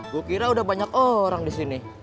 gue kira udah banyak orang di sini